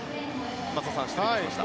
松田さん、失礼しました。